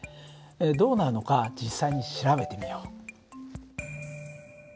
どうなるのか実際に調べてみよう。